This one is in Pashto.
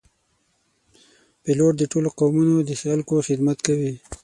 پیلوټ د ټولو قومونو د خلکو خدمت کوي.